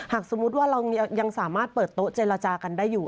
สมมุติว่าเรายังสามารถเปิดโต๊ะเจรจากันได้อยู่